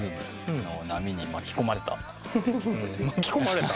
巻き込まれた？